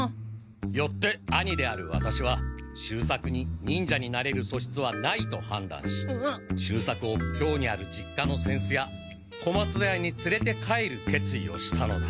よって兄であるワタシは秀作に忍者になれるそしつはないとはんだんし秀作を京にある実家の扇子屋小松田屋につれて帰る決意をしたのだ。